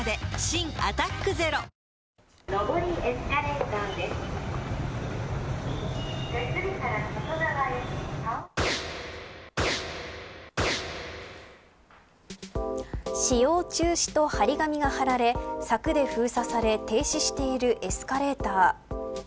新「アタックＺＥＲＯ」使用を中止と張り紙が貼られ柵で封鎖され停止しているエスカレーター。